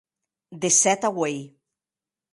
De sèt a ueit.